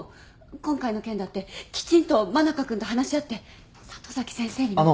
今回の件だってきちんと真中君と話し合って里崎先生にも。